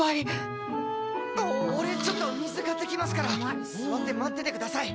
お俺ちょっと水買ってきますから座って待っててください。